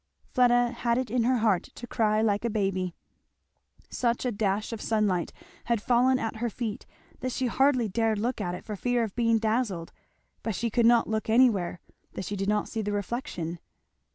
Fleda had it in her heart to cry like a baby. Such a dash of sunlight had fallen at her feet that she hardly dared look at it for fear of being dazzled; but she could not look anywhere that she did not see the reflection.